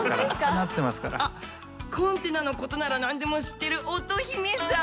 あっコンテナのことなら何でも知ってる乙姫さん！